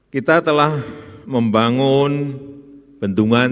kita telah membangun bendungan